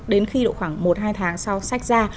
đến khi độ khoảng một hai tháng sau sách ra